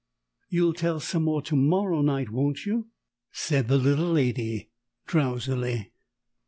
"You'll tell some more to morrow night won't you?" said the Little Lady, drowsily.